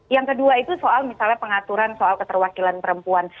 yang kedua itu soal misalnya pengaturan soal keterwakilan perempuan